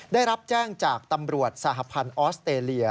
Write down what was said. ได้รับแจ้งจากตำรวจสหพันธ์ออสเตรเลีย